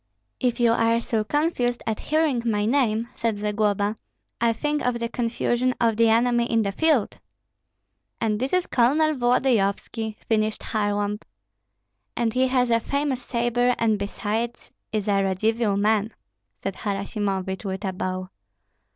"If you are so confused at hearing my name," said Zagloba, "think of the confusion of the enemy in the field." "And this is Colonel Volodyovski," finished Kharlamp. "And he has a famous sabre, and besides is a Radzivill man." said Harasimovich, with a bow.